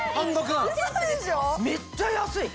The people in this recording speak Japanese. めっちゃ安い！